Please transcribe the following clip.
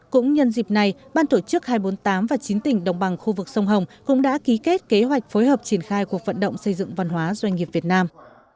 cũng nhân dịp này ban tổ chức hai trăm bốn mươi tám và chín tỉnh đồng bằng khu vực sông hồng cũng đã ký kết kế hoạch phối hợp triển khai cuộc vận động xây dựng văn hóa doanh nghiệp việt nam